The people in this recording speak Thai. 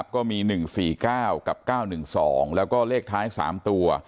ก็มี๑๔๙กับ๙๑๒แล้วก็เลขท้าย๓ตัว